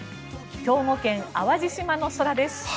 兵庫県・淡路島の空です。